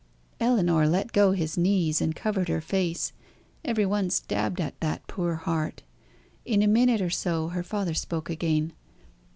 Ellinor let go his knees, and covered her face. Every one stabbed at that poor heart. In a minute or so her father spoke again.